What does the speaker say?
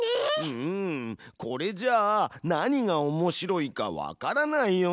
うんこれじゃあ何がおもしろいかわからないよ。